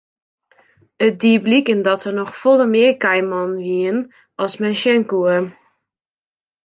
It die bliken dat der noch folle mear kaaimannen wiene as men sjen koe.